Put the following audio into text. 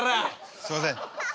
すいません。